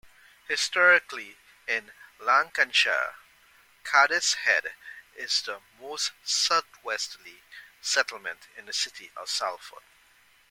Historically in Lancashire, Cadishead is the most southwesterly settlement in the city of Salford.